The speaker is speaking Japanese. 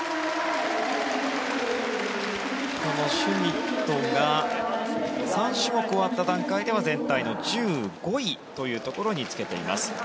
このシュミットが３種目終わった段階では全体の１５位につけています。